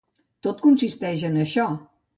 Tot consisteix en això.